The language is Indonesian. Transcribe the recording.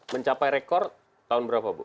mencapai rekor tahun berapa bu